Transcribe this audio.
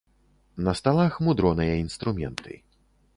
На сталах мудроныя інструменты.